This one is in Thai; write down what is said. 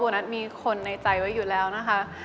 นัทมีคนในใจไว้อยู่แล้วนะคะ